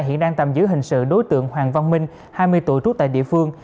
hiện đang tạm giữ hình sự đối tượng hoàng văn minh hai mươi tuổi trú tại địa phương